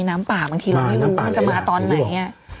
น้ำปลาบางทีเราไม่รู้จะมาตอนไหน